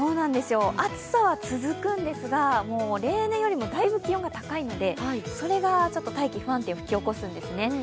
暑さは続くんですが、例年よりもだいぶ気温が高いのでそれがちょっと大気の不安定を引き起こすんですね。